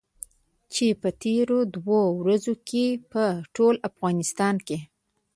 چې په تېرو دوو ورځو کې په ټول افغانستان کې.